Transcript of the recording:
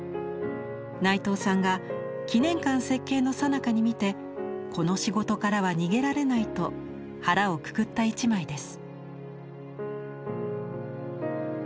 内藤さんが記念館設計のさなかに見て「この仕事からは逃げられない」と腹をくくった一枚です。